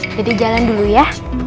jadi jalan dulu ya